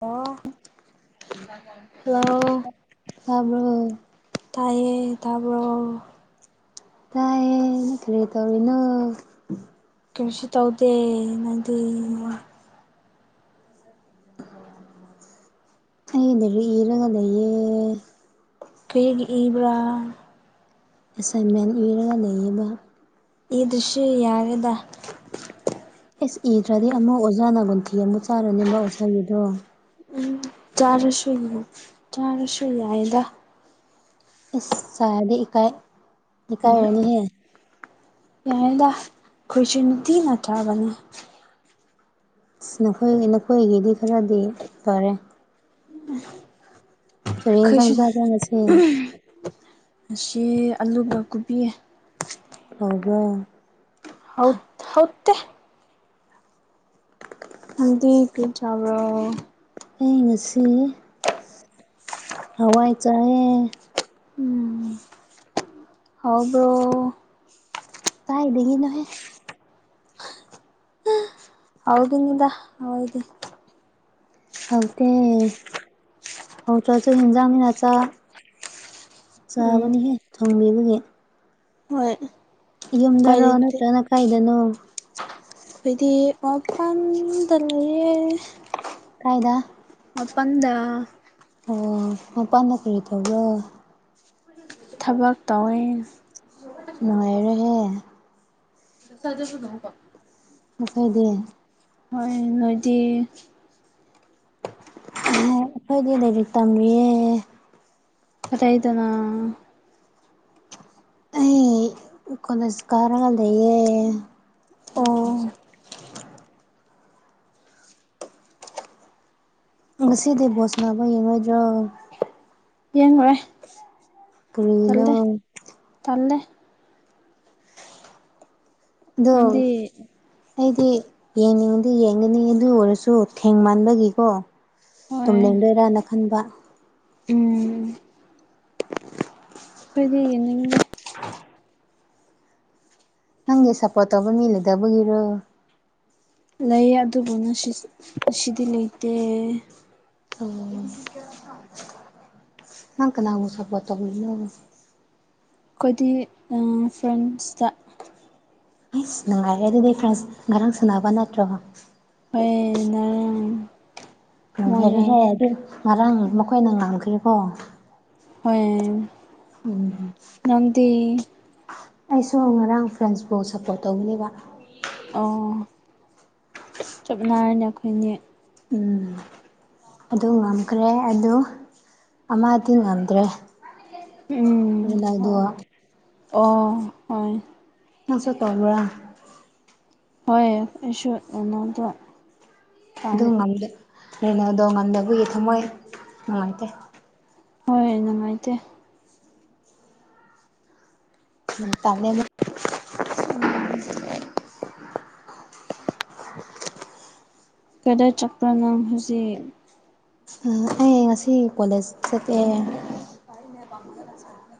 ꯑꯣ ꯍꯜꯂꯣ ꯇꯥꯕ꯭ꯔꯣ ꯇꯥꯏꯌꯦ ꯇꯥꯕ꯭ꯔꯣ ꯇꯥꯏꯌꯦ ꯀꯔꯤ ꯇꯧꯔꯤꯅꯣ ꯀꯩꯁꯨ ꯇꯧꯗꯦ ꯅꯪꯗꯤ ꯑꯩ ꯗꯥꯏꯔꯤ ꯏꯔꯒ ꯂꯩꯌꯦ ꯀꯔꯤꯒꯤ ꯏꯕ꯭ꯔꯥ ꯑꯦꯁꯥꯏꯟꯃꯦꯟ ꯏꯔꯒ ꯂꯩꯔꯤꯕ ꯏꯗ꯭ꯔꯁꯨ ꯌꯥꯔꯦꯗ ꯑꯦꯁ ꯏꯗ꯭ꯔꯗꯤ ꯑꯃꯨꯛ ꯑꯣꯖꯥ ꯅꯥꯒꯨꯟꯊꯤ ꯑꯃꯨꯛ ꯆꯥꯔꯅꯤ ꯃꯥ ꯑꯣꯖꯥꯒꯤꯗꯣ ꯎꯝ ꯆꯥꯔꯁꯨ ꯆꯥꯔꯁꯨ ꯌꯥꯏꯗ ꯏꯁ ꯁꯔꯗꯤ ꯏꯀꯥꯏ ꯏꯀꯥꯏꯔꯅꯤꯍꯦ ꯌꯥꯗ ꯑꯩꯈꯣꯏꯁꯨ ꯅꯨꯠꯇꯤ ꯅꯠꯇ꯭ꯔꯕꯅꯤ ꯑꯁ ꯅꯈꯣꯏ ꯅꯈꯣꯏꯒꯤꯗꯤ ꯈꯔꯗꯤ ꯐꯔꯦ ꯀꯔꯤ ꯏꯟꯖꯥꯡ ꯈꯣꯏꯁꯨ ꯆꯥꯕ꯭ꯔꯥ ꯉꯁꯤ ꯉꯁꯤ ꯑꯂꯨꯒ ꯀꯨꯕꯤ ꯍꯥꯎꯕ꯭ꯔꯣ ꯍꯥꯎ ꯍꯥꯎꯇꯦ ꯅꯪꯗꯤ ꯀꯔꯤ ꯆꯥꯕ꯭ꯔꯣ ꯑꯩ ꯉꯁꯤ ꯍꯋꯥꯏ ꯆꯥꯏꯌꯦ ꯎꯝ ꯍꯥꯎꯕ꯭ꯔꯣ ꯀꯥꯏꯗꯒꯤꯅꯣꯍꯦ ꯍꯧꯒꯅꯤꯗ ꯍꯋꯥꯏꯗꯤ ꯈꯣꯇꯦ ꯍꯥꯎꯇ꯭ꯔꯁꯨ ꯍꯤꯟꯖꯥꯡ ꯃꯤꯔ ꯆꯥ ꯎꯝ ꯆꯥꯕꯅꯤꯍꯦ ꯊꯣꯡꯕꯤꯕꯒꯤ ꯍꯣꯏ ꯎꯄꯥꯏ ꯌꯨꯝꯗꯅꯣ ꯂꯩꯇꯦ ꯅꯠꯇ꯭ꯔꯣꯅ ꯀꯥꯏꯗꯅꯣ ꯑꯩꯈꯣꯏꯗꯤ ꯑꯣꯐꯥꯟꯗ ꯂꯩꯌꯦ ꯀꯥꯏꯗ ꯃꯄꯗ ꯑꯣ ꯃꯄꯥꯟꯗ ꯀꯔꯤ ꯇꯧꯕ꯭ꯔꯣ ꯊꯕꯛ ꯇꯧꯋꯦ ꯅꯨꯡꯉꯥꯏꯔꯦ ꯍꯦ ꯁꯖꯁꯨ ꯅ ꯄ ꯅꯈꯣꯏꯗꯤ ꯍꯣꯏ ꯅꯣꯏꯗꯤ ꯑꯩꯈꯣꯏꯗꯤ ꯂꯥꯏꯔꯤꯛ ꯇꯝꯂꯤꯌꯦ ꯀꯗꯥꯥꯏꯗꯅꯥ ꯑꯩ ꯀꯣꯏꯅꯁꯀꯔꯥ ꯂꯩ ꯑꯣ ꯉꯁꯤꯗꯤ ꯕꯣꯜ ꯁꯥꯟꯅꯕ ꯌꯦꯡꯉꯣꯏꯗꯔ꯭ꯣ ꯌꯦꯡꯉꯨꯔꯦ ꯀꯅ [unintelligible] ꯇꯜꯦ ꯑꯗꯣ ꯅꯪꯗꯤ ꯑꯩꯗꯤ ꯌꯦꯡꯅꯤꯡꯉꯗꯤ ꯌꯦꯡꯒꯅꯤ ꯑꯗꯨ ꯑꯣꯏꯔꯁꯨ ꯊꯦꯡ ꯃꯟꯕꯒꯤꯀꯣ ꯇꯨꯝ ꯍꯣꯏ ꯅꯤꯡꯗꯣꯏꯔꯥꯅ ꯈꯟꯕ ꯎꯝ ꯑꯩꯈꯣꯏꯗꯤ ꯌꯦꯡꯅꯤꯡꯗꯦ ꯅꯪꯅ ꯁꯄꯣꯔꯠ ꯇꯧꯕ ꯃꯤ ꯂꯩꯇꯕꯒꯤꯔꯣ ꯂꯩ ꯑꯗꯨꯕꯨꯅ ꯁꯤꯗꯤ ꯂꯩꯇꯦ ꯑꯣ ꯅꯪꯀ ꯅꯅꯥꯕꯨ ꯁꯄ ꯇꯧꯕꯅ ꯑꯩꯈꯣꯏꯗꯤ ꯐ꯭ꯔꯥꯟꯁꯇ ꯑꯩꯁ ꯅꯨꯡꯉꯥꯏꯔꯦ ꯑꯗꯨꯗꯤ ꯐ꯭ꯔꯦꯟꯁ ꯉꯔꯥꯡ ꯁꯥꯟꯅꯕ ꯅꯠꯇ꯭ꯔꯣꯣ ꯑꯩ ꯅꯔꯥꯡ [unintelligible] ꯔꯍꯦ ꯑꯗꯨ ꯉꯔꯥꯡ ꯃꯈꯣꯏꯅ ꯉꯥꯡꯈ꯭ꯔꯤꯕꯣ ꯍꯣꯏ ꯎꯝ ꯅꯪꯗꯤ ꯑꯩꯁꯨ ꯉꯔꯥꯡ ꯐ꯭ꯔꯦꯟꯁꯄꯨ ꯁꯞꯄꯣꯔꯠ ꯇꯧꯕꯒꯅꯦꯕ ꯑꯣ ꯆꯞꯅꯔꯅꯦ ꯑꯩꯈꯣꯏꯅꯦ ꯎꯝ ꯑꯗꯨ ꯉꯝꯈ꯭ꯔꯦ ꯑꯗꯨ ꯑꯃꯗꯤ ꯉꯝꯗ꯭ꯔꯦ ꯎꯝ ꯍꯅꯗ ꯍꯣꯏ [unintelligible] ꯑꯣ ꯍꯣꯏ ꯅꯁꯨ ꯇꯧꯕ꯭ꯔ ꯍꯣꯏ ꯑꯩꯁꯨꯗ ꯑꯗꯨ ꯀꯩꯅꯣꯗꯣ ꯉꯝꯗꯕꯒꯤ ꯊꯝꯃꯣꯏ ꯅꯨꯡꯉꯥꯏꯇꯦ ꯍꯣꯏ ꯅꯨꯡꯉꯥꯏꯇꯦ ꯇꯥꯅꯅ [unintelligible] ꯎꯝ ꯀꯗ ꯆꯛꯄꯅꯣ ꯍꯧꯖꯤꯛ ꯑꯩ ꯉꯁꯤ ꯀꯣꯂꯦꯖ ꯆꯠꯇꯦ ꯄꯅꯦ ꯄꯝꯕꯂ ꯆꯔꯦ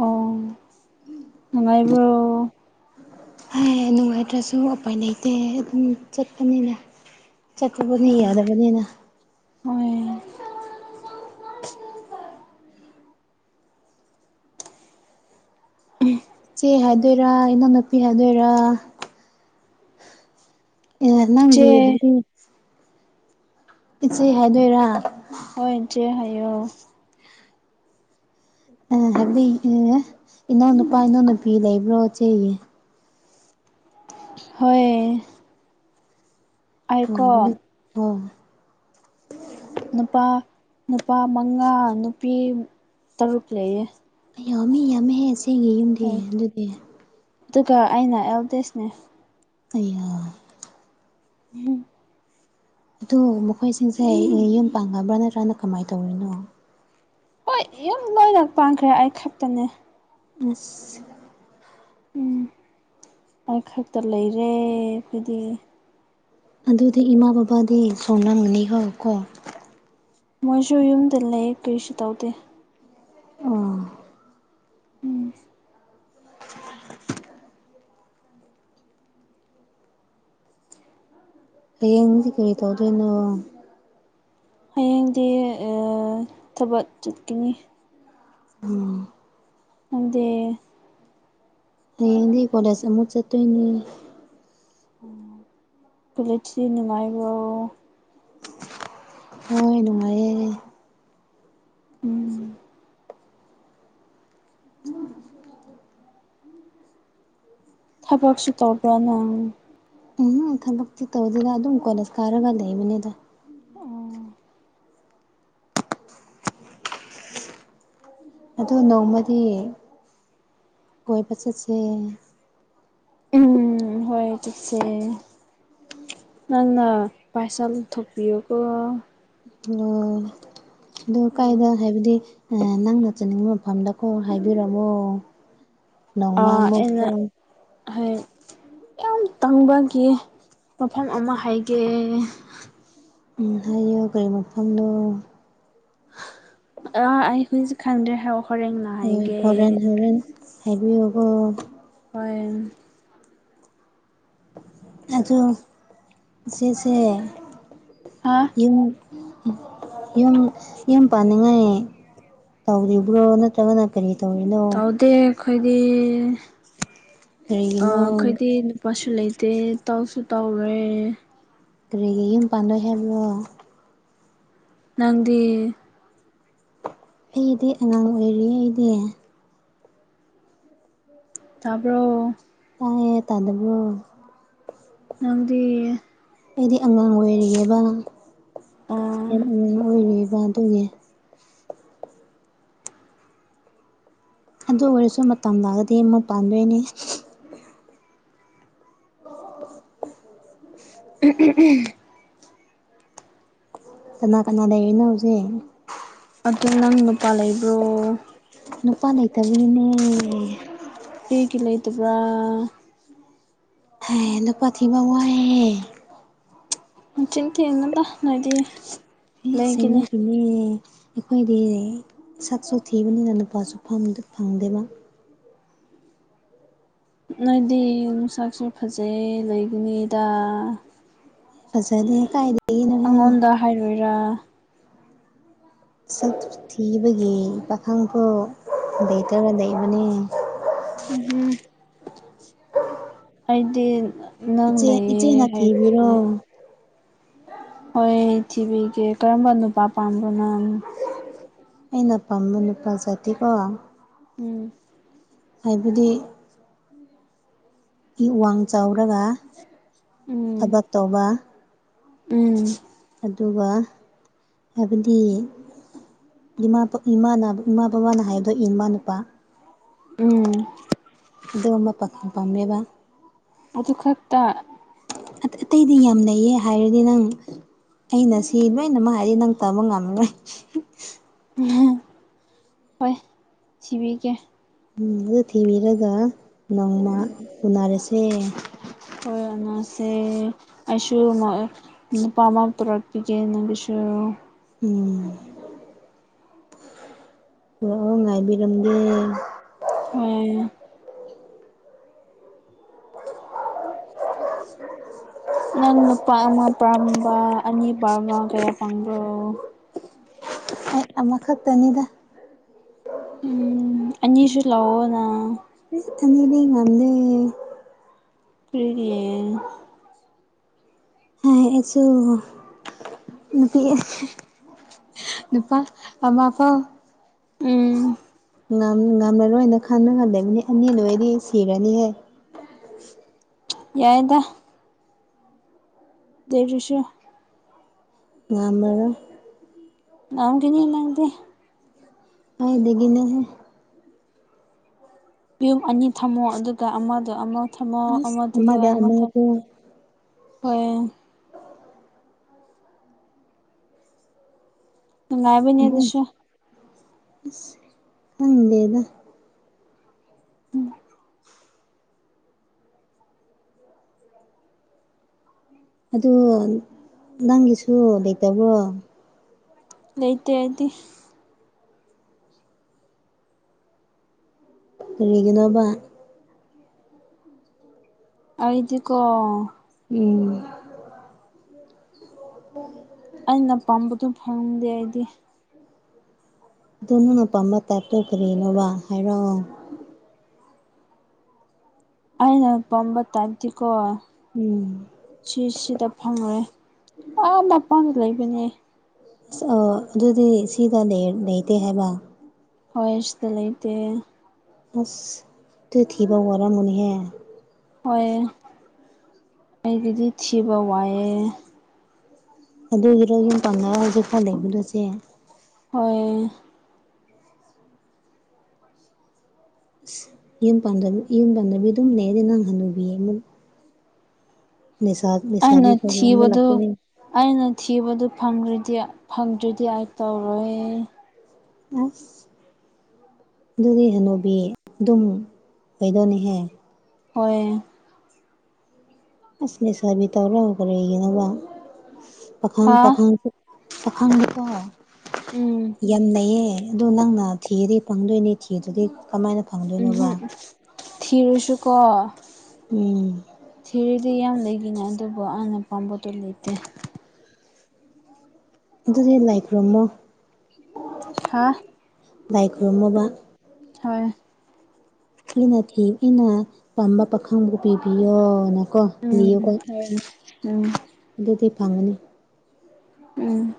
ꯑꯣ ꯅꯉꯥꯏꯕꯨ꯭ꯔꯣ ꯅꯨꯡꯉꯥꯏꯇ꯭ꯔꯁꯨ ꯎꯄꯥꯏ ꯂꯩꯇꯦ ꯑꯗꯨꯝ ꯆꯠꯄꯅꯤꯅ ꯆꯀꯕꯨꯅꯤ ꯌꯥꯗꯕꯅꯤꯅ ꯑꯣꯏ ꯎꯝ ꯏꯆꯦ ꯍꯥꯏꯗꯣꯏꯔꯥ ꯏꯅꯥꯎꯅꯨꯄꯤ ꯍꯥꯏꯗꯣꯏꯔꯥ ꯅꯪꯒꯤ ꯆꯦ ꯍꯥꯏꯗꯤ ꯏꯆꯦ ꯍꯥꯏꯗꯣꯏꯔ ꯍꯣꯏ ꯏꯆꯦ ꯍꯥꯏꯌꯣ ꯑꯩꯅ ꯍꯥꯏꯕꯗꯤ ꯏꯅꯥꯎ ꯅꯨꯄꯥ ꯅꯪ ꯅꯨꯄꯤ ꯂꯩꯕ꯭ꯔꯣ ꯆꯦꯌꯦ ꯍꯣꯏ ꯎ ꯑꯩꯀꯣ ꯍ [unintelligible] ꯅꯨꯄꯥ ꯅꯨꯄꯥ ꯃꯉꯥ ꯅꯨꯄꯤ ꯇꯔꯨꯛ ꯂꯩꯌꯦ ꯌꯥꯝꯃꯤ ꯌꯥꯝꯃꯦꯍꯦꯆꯦꯡꯒꯤ ꯌꯨꯝꯗꯤ ꯍꯣꯏ ꯑꯗꯨꯗꯤ ꯑꯗꯨꯒ ꯑꯩꯅ ꯑꯦꯜꯗꯦꯁꯅꯦ ꯑꯩ ꯎꯝ ꯑꯗꯣ ꯃꯈꯣꯏꯁꯤꯡꯁꯦ ꯌꯨꯝ ꯄꯥꯡꯉꯕ꯭ꯔ ꯅꯠꯇ꯭ꯔꯅ ꯀꯃꯥꯏꯅ ꯇꯧꯔꯤꯅꯣ ꯍꯣꯏ ꯌꯨꯝ ꯂꯣꯏꯅ ꯄꯥꯟꯈ꯭ꯔꯦ ꯑꯩ ꯈꯛꯇꯅꯦ ꯑꯁ ꯎꯝ ꯑꯩꯈꯛꯇ ꯂꯩꯔꯦ ꯍꯥꯏꯗꯤ ꯑꯗꯨꯗꯤ ꯏꯃꯥ ꯕꯕꯥꯗꯤ ꯁꯣꯜꯂꯝꯒꯅꯤ ꯀꯣ ꯃꯣꯏꯁꯨ ꯌꯨꯝꯗ ꯂꯩ ꯀꯔꯤꯁꯨ ꯇꯧꯗꯦ ꯑꯥ ꯎꯝ ꯍꯌꯦꯡꯗꯤ ꯀꯔꯤ ꯇꯧꯗꯣꯏꯅꯣ ꯍꯌꯦꯡꯗꯤ ꯊꯕꯛ ꯆꯠꯀꯅꯤ ꯎꯝ ꯅꯪꯗꯤ ꯍꯌꯦꯡꯗꯤ ꯀꯣꯂꯦꯖ ꯑꯃꯨꯛ ꯆꯠꯇꯣꯏꯅꯦ ꯀꯂꯊ ꯅꯨꯡꯉꯥꯏꯕ [unintelligible] ꯍ ꯅꯨꯡꯉꯥꯏꯌꯦ ꯎꯝ ꯎꯝ [unintelligible] ꯊꯕꯛꯁꯨ ꯇꯧꯕ꯭ꯔ ꯅꯪ ꯎꯝ ꯊꯕꯛꯇꯤ ꯇꯧꯁꯤꯗ ꯑꯗꯨꯝ ꯀꯣꯂꯦꯖ ꯀꯥꯔꯒ ꯂꯩꯕꯅꯤꯗ ꯎ ꯑꯗꯣ ꯅꯣꯡꯃꯗꯤ ꯀꯣꯏꯕ ꯆꯠꯁꯦ ꯎꯝ ꯍꯣꯏ ꯆꯛꯁꯦ ꯅꯪꯅ ꯄꯩꯁꯥ ꯂꯧꯊꯣꯛꯄꯤꯌꯨꯀꯣ ꯂꫭ ꯑꯗꫭ ꯀꯥꯏꯗ ꯍꯥꯏꯕꯗꯤ ꯅꯪꯅ ꯆꯠꯅꯤꯡꯕ ꯃꯐꯝꯗ ꯀꯣ ꯍꯥꯏꯕꯤꯔꯝꯃꯣ ꯑꯗꯨ ꯑꯩꯅ ꯍꯥꯏ ꯌꯥꯝ ꯇꯥꯡꯕꯒꯤ ꯃꯐꯝ ꯑꯃ ꯍꯥꯏꯒꯦ ꯍ ꯔꯤ ꯃꯐꯝꯐꯝꯗꯣ ꯑꯥ ꯑꯩ ꯍꯧꯖꯤꯁ ꯈꯪꯗ꯭ꯔꯦ ꯍꯥꯏꯔꯑꯣ ꯑꯣ ꯍꯣꯔꯦꯟ ꯍꯣꯔꯦꯟ ꯍꯥꯏꯕꯤꯌꯨꯀꯣ ꯍꯣꯏ ꯑꯗꯣ ꯏꯆꯦꯁꯦ ꯍꯥꯐ ꯌꯨꯝ ꯌꯨꯝ ꯌꯨꯝ ꯄꯥꯅꯤꯡꯉꯥꯏ ꯇꯥꯎꯗꯣ ꯏꯕꯣ ꯅꯣ ꯆꯉ ꯀꯔꯤ ꯇꯧꯔꯤꯅꯣ ꯇꯧꯗꯦ ꯑꯩꯈꯣꯏꯗꯤ ꯑ ꯀꯔꯤꯒꯤꯅꯣ ꯑꯩꯈꯣꯏꯗꯤ ꯄꯣꯠꯁꯨ ꯂꯩꯇꯦ ꯇꯧꯁꯨ ꯇꯧꯔꯦ ꯀꯔꯤꯒ ꯌꯨꯝ ꯄꯥꯟꯗꯣꯏ ꯍꯥꯏꯕ꯭ꯔꯣ ꯅꯪꯗꯤ ꯑꯩꯗꯤ ꯑꯉꯥꯡ ꯑꯣꯏꯔꯤꯌꯦ ꯑꯩꯗꯤ ꯇꯥꯕ꯭ꯔꫭ ꯇꯥꯏꯌꯦ ꯇꯥꯗꯕ꯭ꯔꯣ ꯑꯗꯨꯗꯤ ꯑꯩꯗꯤ ꯑꯉꯥꯡ ꯑꯣꯏꯔꯤꯌꯦꯕ ꯑꯣ ꯌꯥꯝ ꯑꯉꯥꯡ ꯑꯣꯏꯔꯤꯕ ꯑꯗꯨꯒꯤ ꯑꯗꯨ ꯑꯣꯏꯔꯁꯨ ꯃꯇꯝ ꯂꯥꯛꯑꯒꯗꯤ ꯑꯃꯨꯛ ꯄꯥꯟꯗꯣꯏꯅꯦ ꯎꯝ ꯎꯝ ꯎꯝ ꯀꯅꯥ ꯀꯅꯥ ꯂꯩ ꯑꯩꯅ ꯍꯧꯖꯤꯛ ꯑꯗꯨ ꯅꯪ ꯅꯨꯄꯥ ꯂꯩꯕ꯭ꯔꯣ ꯅꯨꯄꯥ ꯂꯩꯇꯕꯤꯒꯤꯅꯦ ꯀꯔꯤꯒꯤ ꯂꯩꯇꯕ꯭ꯔꯥ ꯍꯥꯏ ꯅꯨꯄꯥ ꯊꯤꯕꯉ ꯍꯥꯏꯍꯦ ꯃꯆꯤꯟ ꯊꯤꯒꯅꯨꯗ ꯅꫭꯏꯗꯤ ꯑꯩ ꯑꯁꯦꯡꯕꯒꯤꯅꯦ ꯑꯩꯈꯣꯏꯗꯤ ꯁꯛꯁꯨ ꯊꯤꯕꯅꯤꯅ ꯅꯨꯄꯥꯁꯨ ꯐꯪꯗꯦꯕ ꯅꯣꯏꯗꯤ ꯅꯨꯁꯥꯛꯁꯨ ꯐꯖꯩ ꯂꯩꯒꯅꯤꯗ ꯐꯖꯗꯦ ꯀꯥꯏꯗꯩ ꯑꯩꯉꯣꯟꯗ ꯍꯥꯏꯔꯣꯏꯔꯥ ꯁꯛ ꯊꯤꯕꯒꯤ ꯄꯥꯈꯪꯐꯨ ꯂꯩꯇꯔ ꯂꯩꯕꯅꯤ ꯝ ꯑꯩꯗꯤ ꯅꯪ ꯏꯆꯦ ꯂꯩꯌꯦ ꯏꯆꯦꯅ ꯊꯤꯕꯤꯔꯣ ꯍꯥꯏꯕꯅꯦ ꯍꯣꯏ ꯊꯤꯕꯤꯒꯦ ꯀꯔꯝꯕ ꯅꯨꯄꯥ ꯄꯥꯝꯕꯅꯣ ꯑꯩꯅ ꯄꯥꯝꯕ ꯅꯨꯄꯥ ꯖꯥꯇꯤꯀꯣ ꯎꯝ ꯍꯥꯏꯕꯗꯤ ꯏ ꯋꯥꯡ ꯆꯥꯎꯔꯒ ꯎꯝ ꯊꯕꯛ ꯇꯧꯕ ꯎꯝ ꯑꯗꯨꯒ ꯍꯥꯏꯕꯗꯤ ꯏꯃꯥ ꯏꯃꯥ ꯏꯃꯥ ꯕꯕꯥꯅ ꯍꯥꯏꯕꯗꯣ ꯏ ꯏꯃꯥ ꯅꯨꯄꯥ ꯎꯝ ꯑꯗꯨꯝꯕ ꯄ ꯄꯥꯝꯦꯕ ꯑꯗꯨ ꯈꯛꯇ ꯑꯇꯩꯗꯤ ꯌꯥꯝ ꯂꯩꯌꯦ ꯍꯥꯏꯔꯗꯤ ꯅꯪ ꯑꯩꯅ ꯁꯤ ꯂꯣꯏꯅꯃꯛ ꯍꯥꯏꯗꯤ ꯅꯪ ꯇꯕ ꯉꯝꯃꯤꯈꯦ ꯎ ꯍꯣꯏ ꯁꯤꯕꯤꯒꯦ ꯎꯝ ꯑꯗꯨ ꯊꯤꯕꯤꯔꯒ ꯅꯣꯡꯃ ꯎꯝ ꯎꯅꯔꯁꯦ ꯍꯣꯏ ꯑꯅꯁꯦ ꯑꯩꯁꯨ ꯅꯨꯄꯥ ꯑꯃ ꯄꯨꯔꯛꯄꯤꯒꯦꯅꯒꯤꯁꯨ ꯎꯝ ꯄꯨꯔ ꯉꯥꯏꯕꯤꯔꯝꯒꯦ ꯎꯝ ꯅꯪ ꯅꯨꯄꯥ ꯑꯃ ꯄꯥꯝꯕ ꯑꯅꯤ ꯄꯥꯝꯕ ꯀꯌꯥ ꯄꯥꯝꯕ꯭ꯔꫭ ꯑꯃꯈꯛꯇꯅꯤꯗ ꯎꯝ ꯑꯅꯤꯁꯨ ꯂꯧꯑꯣ ꯅ ꯑꯅꯤ ꯂꯩ ꯉꯝ ꯂꯩ ꯄ꯭ꯔꯤꯔꯤꯌꯦ ꯍꯥꯏꯁꯨ ꯅꯨꯄꯤ ꯅꯨꯄꯥ ꯄꯥꯝꯃꯥꯑꯕꯣ ꯎꯝ ꯉꯝ ꯉꯝꯂꯔꯣꯏꯅ ꯈꯟꯜꯒ ꯂꯩꯕꯅꯤ ꯑꯅꯤ ꯂꯣꯏꯔꯗꯤ ꯁꯤꯔꯅꯤꯍꯦ ꯌꯥꯏꯗ ꯗꯦꯔꯤꯁꯣ ꯉꯝꯃꯔꯣꯏ ꯉꯝꯒꯅꯤ ꯅꯪꯗꯤ ꯀꯥꯏꯗꯒꯤꯅꯣꯍꯦ ꯌꯨꯝ ꯑꯅꯤ ꯊꯝꯃꯣ ꯑꯗꯨꯒ ꯑꯃꯗ ꯑꯃ ꯊꯝꯃꯣ ꯑꯁ ꯑꯃꯗꯨꯗ ꯑꯃꯗ ꯑꯃ ꯑꯃꯗꯣ ꯊꯝꯃꯣ ꯍꯣꯏ ꯅꯨꯉꯥꯏꯕꯅꯤ ꯑꯗꯨꯁꯨ ꯑꯁ ꯈꯪꯗꯦꯗꯥ ꯑꯗꯨ ꯅꯪꯒꯤꯁꯨ ꯂꯩꯇꯕ꯭ꯔꯣ ꯂꯩꯇꯦ ꯑꯩꯗꯤ ꯀꯔꯤꯒꯤꯅꯣꯕ ꯑꯩꯗꯤꯀꯣ ꯎꯝ [inaudible] ꯑꯩꯅ ꯄꯥꯝꯕꯗꯨ ꯐꯪꯗꯦ ꯑꯩꯗꯤ ꯑꯗꯨꯣ ꯅꯪꯅ ꯄꯥꯝꯕ ꯇꯥꯏꯞ ꯇꯣ ꯀꯔꯤꯅꯣꯕ ꯍꯥꯏꯔꯛꯑꯣ ꯑꯩꯅ ꯄꯝꯕ ꯇꯥꯏꯞꯇꯤꯀꯣ ꯎꯝ ꯁꯤ ꯁꯤꯗ ꯐꯪꯉꯨꯔꯦ ꯑꯥ ꯃꯄꯥꯟꯗ ꯂꯩꯕꯅꯦ ꯑꯁ ꯑꯣ ꯑꯗꯨꯗꯤ ꯁꯤꯗ ꯂꯩꯇꯦ ꯍꯥꯏꯕ ꯍꯣꯏ ꯁꯤꯗ ꯂꯩꯇꯦ ꯑꯁ ꯇꯨ ꯊꯤꯕ ꯋꯥꯔꯝꯒꯅꯤꯍꯦ ꯍꯣꯏ ꯑꯩꯒꯤꯗꯤ ꯊꯤꯕ ꯋꯥꯏꯑꯦ ꯑꯗꯨꯒꯤꯔꯣ ꯌꯨꯝ ꯄꯟꯗꯅ ꯍꯧꯖꯤꯛ ꯐꯧ ꯂꯩꯕꯗꫭ ꯆꯦ ꯍꯣꯏ ꯑꯁ ꯌꯨꯝ ꯄꯥꯟꯕꯤ ꯌꯨꯝ ꯄꯥꯟꯗꯕꯤ ꯑꯗꯨꯝ ꯅꯦꯔꯗꯤ ꯅꯪ ꯍꯟꯅꯨꯕꯤ ꯑꯃꯨꯛ ꯅꯤꯁꯥ ꯑꯩꯅ ꯅꯤꯁꯥꯕꯤ ꯄꯔꯦꯡ ꯑꯃ ꯊꯤꯕꯗꯨ ꯂꯥꯛꯀꯅꯤ ꯑꯩꯅ ꯊꯤꯕꯗꯨ ꯐꯪꯗ꯭ꯔꯗꯤ ꯐꯪꯗ꯭꯭ꯔꯗꯤ ꯑꯩ ꯇꯧꯔꯣꯏ ꯑꯁ ꯑꯗꯨꯗꯤ ꯍꯅꯨꯕꯤ ꯑꯗꯨꯝ ꯀꯩꯗꯧꯅꯤꯍꯦ ꯍꯣꯏ ꯑꯁ ꯂꯩꯁꯥꯕꯤ ꯇꯧꯔ ꯀꯔꯤꯒꯤꯅꯣꯕ ꯄꯥꯈꯪ ꯍꯥ ꯄꯥꯈꯪ ꯄꯥꯈꯥꯡꯗꯀꯣ ꯎꯝ ꯌꯥꯝ ꯂꯩꯌꯦ ꯑꯗꯨ ꯅꯪꯅ ꯊꯤꯗꯤ ꯄꯥꯡꯗꯣꯏꯅꯦ ꯊꯤꯗꯗꯤ ꯎꯝꯍꯝ ꯊꯤꯔꯨꯁꯨ ꯀꯣ ꯎꯝ ꯊꯤꯔꯤꯗꯤ ꯌꯥꯝ ꯂꯩꯒꯤꯅꯦ ꯑꯗꯨꯕꯨ ꯑꯩꯅ ꯄꯥꯝꯕꯗꯣ ꯂꯩꯇꯦ ꯑꯗꯨꯗꯤ ꯂꯥꯏ ꯈꯨꯔꯨꯝꯃꯣ ꯍꯥ ꯂꯥꯏ ꯈꯨꯔꯨꯝꯃꯣꯕ ꯍꯣꯏ ꯑꯩꯅ ꯊꯦꯡ ꯑꯩꯅ ꯄꯥꯝꯕ ꯄꯥꯈꯪꯕꯨ ꯄꯤꯕꯤꯌꯣꯅ ꯀꯣ ꯎꯝ ꯅꯤꯌꯨꯀꯣ ꯍꯣꯏ ꯎꯝ ꯑꯗꯨꯗꯤ ꯐꯪꯒꯅꯤ ꯎꯝ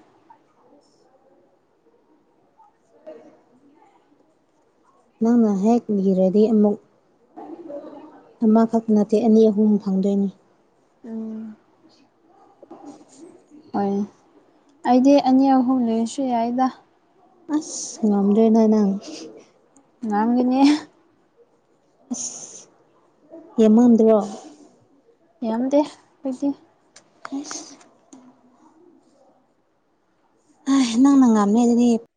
ꯅꯪꯅ ꯍꯦꯛ ꯅꯤꯔꯗꯤ ꯑꯃꯨꯛ ꯑꯃꯈꯛꯇ ꯅꯠꯇꯦ ꯑꯅꯤ ꯑꯍꯨꯝ ꯐꯪꯗꯣꯏꯅꯤ ꯎꯝ ꯍꯣꯏ ꯑꯩꯗꯤ ꯑꯅꯤ ꯑꯍꯨꯝ ꯂꯩꯔꯁꯨ ꯌꯥꯏꯗ ꯑꯁ ꯉꯗ꯭ꯔꯦꯅ ꯅꯪ ꯅꯪꯒꯅꯤ ꯑꯁ ꯌꯦꯃꯝꯗ꯭ꯔꯣ ꯌꯥꯝꯗꯦ [unintelligible] [unintelligible] ꯑꯩ ꯅꯪꯅ ꯉꯥꯝꯅꯦ ꯑꯗꯨꯗꯤ